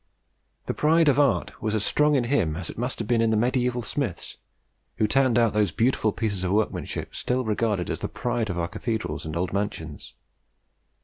The pride of art was as strong in him as it must have been in the mediaeval smiths, who turned out those beautiful pieces of workmanship still regarded as the pride of our cathedrals and old mansions.